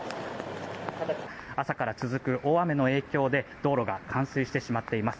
朝から続く大雨の影響で道路が冠水してしまっています。